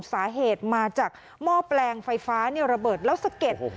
สาเหตุมาจากหม้อแปลงไฟฟ้าระเบิดแล้วสะเก็ด